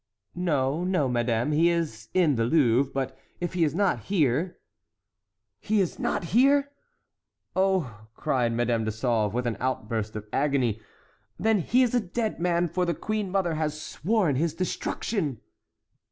"No, no, madame, he is in the Louvre; but if he is not here"— "He is not here!" "Oh!" cried Madame de Sauve, with an outburst of agony, "then he is a dead man, for the queen mother has sworn his destruction!"